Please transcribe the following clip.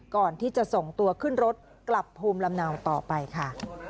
ก่อนที่จะส่งตัวขึ้นรถกลับภูมิลำเนาต่อไปค่ะ